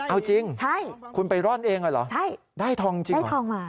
เอาจริงคุณไปร่อนเองอ่ะเหรอได้ทองจริงเหรอ